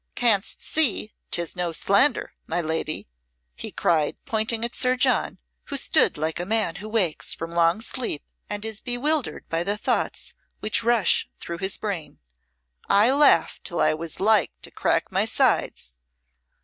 "Canst see 'tis no slander, my lady," he cried, pointing at Sir John, who stood like a man who wakes from long sleep and is bewildered by the thoughts which rush through his brain. "I laughed till I was like to crack my sides."